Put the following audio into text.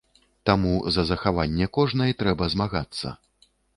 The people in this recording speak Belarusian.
Таму за захаванне кожнай трэба змагацца.